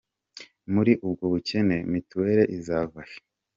Muli ubwo bukene mutuel izava he?